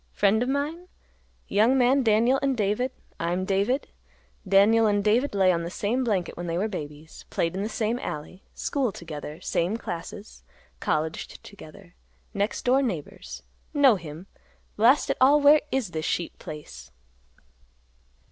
Friend of mine? Young man Daniel and David, I am David; Daniel and David lay on the same blanket when they were babies; played in the same alley; school together same classes; colleged together; next door neighbors. Know him! Blast it all, where is this sheep place?"